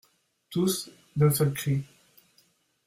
Tous, d'un seul cri.